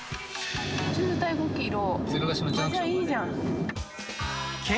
渋滞５キロ。